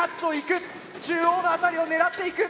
中央の辺りを狙っていく。